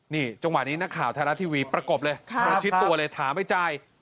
นี่จังหวะนี้นักข่าวไทยรัฐทีวีประกบเลยประชิดตัวเลยถามไอ้ใจ